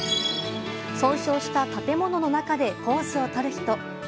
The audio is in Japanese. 損傷した建物の中でポーズをとる人。